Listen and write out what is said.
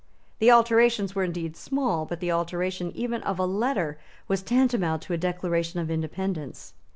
The alterations were indeed small; but the alteration even of a letter was tantamount to a declaration of independence.